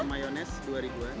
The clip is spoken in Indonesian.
mayonaise dua ribuan